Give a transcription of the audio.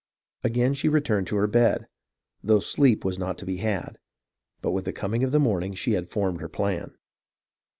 Again she returned to her bed, though sleep was not to be had ; but with the coming of the morning she had formed her plan.